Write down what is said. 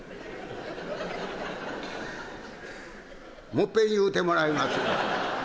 「もいっぺん言うてもらえます？」。